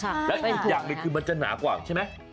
แล้วอีกอย่างหนึ่งคือมันจะหนากว่าใช่ไหม